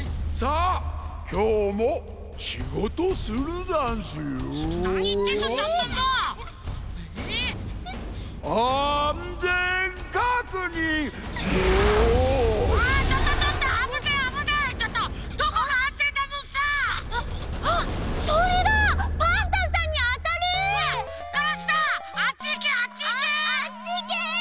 あっちいけ！